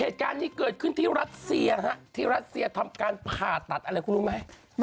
เหตุการณ์นี้เกิดขึ้นที่รัสเซียฮะที่รัสเซียทำการผ่าตัดอะไรคุณรู้ไหม